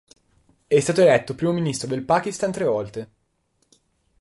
È stato eletto Primo ministro del Pakistan tre volte.